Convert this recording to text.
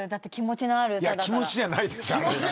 いや、気持ちじゃないです。